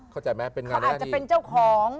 เขาอาจจะเป็นเจ้าของ